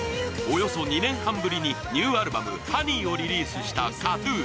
およそ２年半ぶりにニューアルバム「Ｈｏｎｅｙ」をリリースしたＫＡＴ−ＴＵＮ。